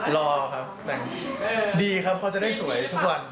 รอครับเดี๋ยวเขาจะได้สวยทุกวัน